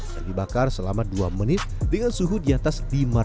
kayu bakar selama dua menit dengan suhu di atas lima ratus